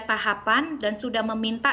tahapan dan sudah meminta